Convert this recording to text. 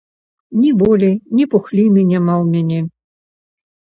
Ні болі, ні пухліны няма ў мяне.